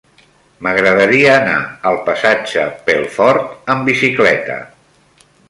M'agradaria anar al passatge Pelfort amb bicicleta.